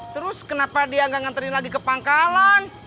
terus kenapa dia nggak nganterin lagi ke pangkalan